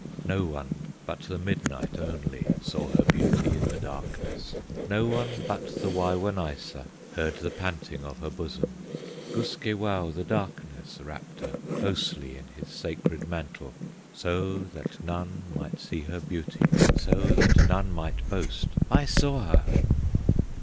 No one but the Midnight only Saw her beauty in the darkness, No one but the Wawonaissa Heard the panting of her bosom Guskewau, the darkness, wrapped her Closely in his sacred mantle, So that none might see her beauty, So that none might boast, "I saw her!"